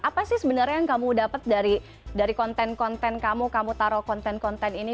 apa sih sebenarnya yang kamu dapat dari konten konten kamu kamu taruh konten konten ini